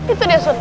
itu dia asun